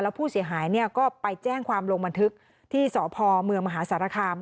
ผู้เสียหายก็ไปแจ้งความลงบันทึกที่สพเมืองมหาสารคาม